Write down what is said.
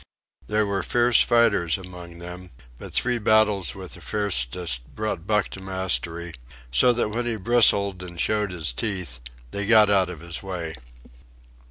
There were fierce fighters among them, but three battles with the fiercest brought Buck to mastery, so that when he bristled and showed his teeth they got out of his way.